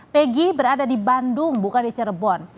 pegi berada di bandung bukan di cirebon